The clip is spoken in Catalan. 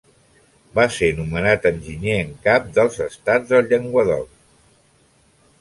Va ser nomenat enginyer en cap dels estats del Llenguadoc.